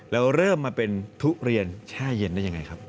แล้วเริ่มมาเป็นทุเรียนแช่เย็นได้ยังไงครับ